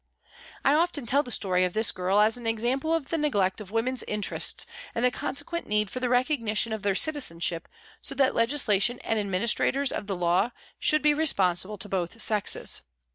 I often tell the story of this girl as an example of the neglect of women's interests and the consequent need for the recognition of their citizenship so that legislation and administrators of the law should be responsible to both sexes.